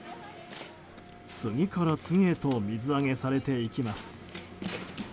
次から次へと水揚げされていきます。